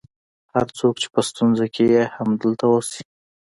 هر څوک چې په ستونزه کې یې همدلته اوسي.